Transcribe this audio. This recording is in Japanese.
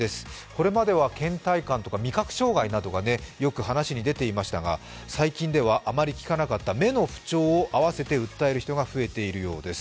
これまではけん怠感とか味覚障害などがよく話に出ていましたが、最近ではあまり聞かなかった目の不調を併せて訴える人が増えているようです。